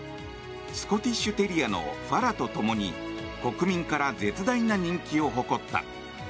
スコティッシュ・テリアのファラと共に国民から絶大な人気を誇った。